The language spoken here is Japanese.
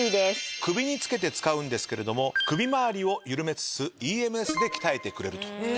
首につけて使うんですけれども首回りを緩めつつＥＭＳで鍛えてくれると。